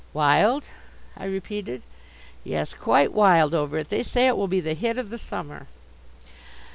"Wild?" I repeated. "Yes, quite wild over it. They say it will be the hit of the summer."